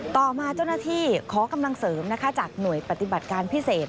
ต่อมาเจ้าหน้าที่ขอกำลังเสริมนะคะจากหน่วยปฏิบัติการพิเศษ